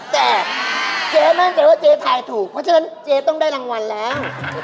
แต่เจ๊มั่นใจว่าเจ๊ทายถูกเพราะฉะนั้นเจ๊ต้องได้รางวัลแล้ว